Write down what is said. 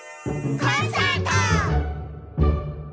コンサート！